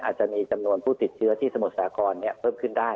อาจจะมีจำนวนผู้ติดเชื้อที่สมุทรสาครเพิ่มขึ้นได้